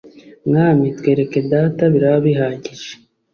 Mwami twereke Data biraba bihagije